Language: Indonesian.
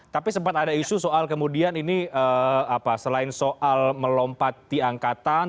tapi sempat ada isu soal kemudian ini selain soal melompati angkatan